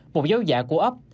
một dấu dạ của ấp